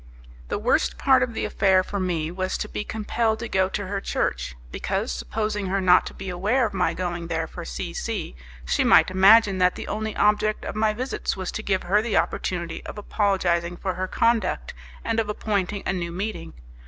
The worse part of the affair for me was to be compelled to go to her church; because, supposing her not to be aware of my going there for C C , she might imagine that the only object of my visits was to give her the opportunity of apologizing for her conduct and of appointing a new meeting.